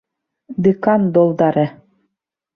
Декан долдары!